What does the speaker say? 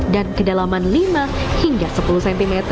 dan kedalaman lima hingga sepuluh cm